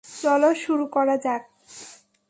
চলো, শুরু করা যাক।